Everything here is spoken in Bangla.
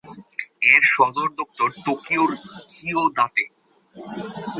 এর সদর দপ্তর টোকিওর চিয়োদাতে।